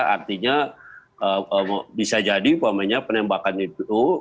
artinya bisa jadi umpamanya penembakan itu